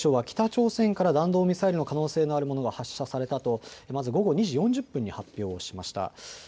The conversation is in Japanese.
北朝鮮から弾道ミサイルの可能性のあるものが発射されたとまず午後２時４０分に発表しました。